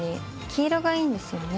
黄色がいいんですよね。